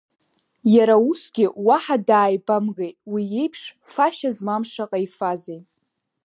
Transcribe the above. Иара усгьы уаҳа дааибамгеит, уи еиԥш, фашьа змам шаҟа ифазеи!